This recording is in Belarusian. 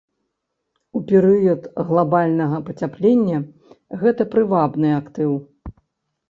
У перыяд глабальнага пацяплення гэта прывабны актыў.